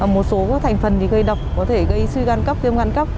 một số thành phần gây độc có thể gây suy gan cấp tiêm gan cấp